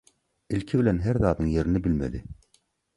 Ilki bilen her zadyň ýerini bilmeli.